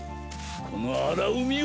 この荒海を。